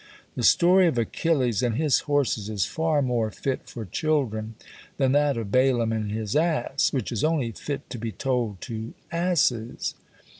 The story of Achilles and his horses is far more fit for children than that of Balaam and his ass, which is only fit to be told to asses.